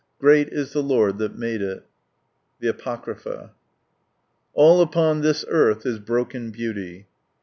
. great is Ike Lord that made ('/."— The Apocrypha. '^ All upon this tarlh is broken beauty."